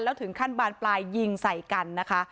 แล้วถึงขั้นบานปลายยิงใส่กันนะคะ